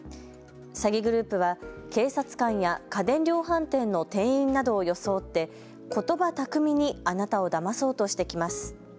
詐欺グループは警察官や家電量販店の店員などを装ってことば巧みにあなたをだまそうとしてきます。